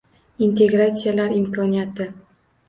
Integratsiyalar imkoniyati